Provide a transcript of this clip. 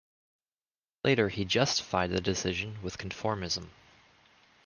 Later he justified the decision with conformism.